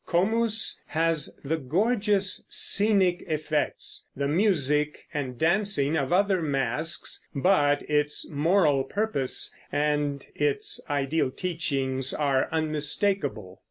"Comus" has the gorgeous scenic effects, the music and dancing of other masques; but its moral purpose and its ideal teachings are unmistakable.